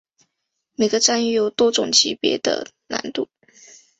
每个战役有多种级别的难度。